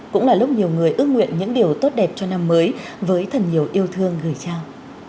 cũng là lúc nhiều người ước nguyện những điều tốt đẹp cho năm mới với thần nhiều yêu thương gửi trao